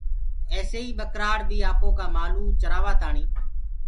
ايسي ئيٚ ٻڪرآڙ بي آپوڪآ مآلوُ چآرآ تآڻي